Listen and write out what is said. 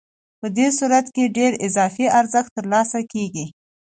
په دې صورت کې ډېر اضافي ارزښت ترلاسه کېږي